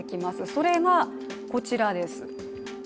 それがこちらです。